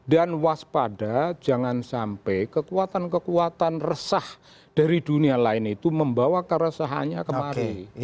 dan waspada jangan sampai kekuatan kekuatan resah dari dunia lain itu membawa keresahannya kemari